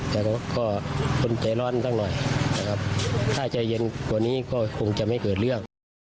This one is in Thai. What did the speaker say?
แต่ก็คนใจร้อนตั้งหน่อยนะครับถ้าใจเย็นกว่านี้ก็คงจะไม่เกิดเรื่อง